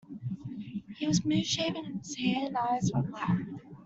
He was smooth-shaven, and his hair and eyes were black.